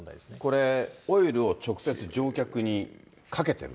これ、オイルを直接乗客にかけてる。